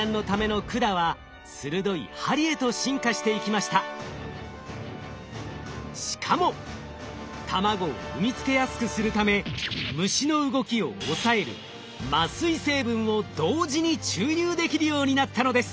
そのためしかも卵を産み付けやすくするため虫の動きを抑える麻酔成分を同時に注入できるようになったのです。